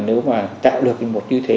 nếu mà tạo được một như thế